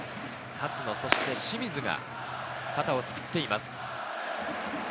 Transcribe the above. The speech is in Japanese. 勝野、そして清水が肩をつくっています。